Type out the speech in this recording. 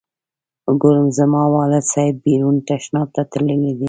ګورم زما والد صاحب بیرون تشناب ته تللی دی.